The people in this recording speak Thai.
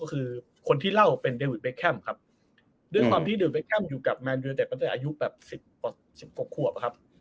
ก็คือคนที่เล่าเป็นเดวิดเบคแคมป์ครับด้วยความที่เดลเบคแคมปอยู่กับแมนยูเนเต็ดตั้งแต่อายุแบบสิบกว่าสิบหกขวบครับ